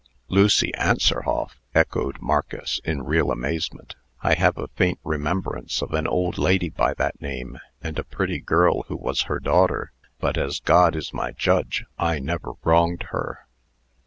"Lucy Anserhoff!" echoed Marcus, in real amazement. "I have a faint remembrance of an old lady by that name, and a pretty girl who was her daughter. But as God is my judge, I never wronged her."